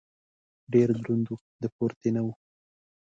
ډېر دروند و . د پورتې نه و.